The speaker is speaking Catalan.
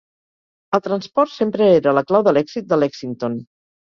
El transport sempre era la clau de l'èxit de Lexington.